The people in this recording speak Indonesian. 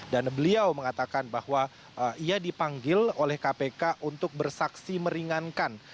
dan beliau mengatakan bahwa ia dipanggil oleh kpk untuk bersaksi meringankan